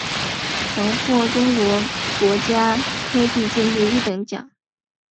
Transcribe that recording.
曾获中国国家科技进步一等奖。